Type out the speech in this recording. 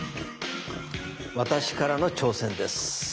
私からの挑戦です！